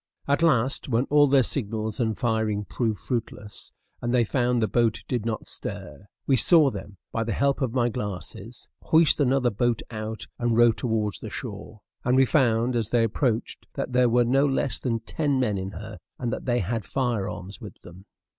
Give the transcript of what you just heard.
At last, when all their signals and firing proved fruitless, and they found the boat did not stir, we saw them, by the help of my glasses, hoist another boat out and row towards the shore; and we found, as they approached, that there were no less than ten men in her, and that they had firearms with them.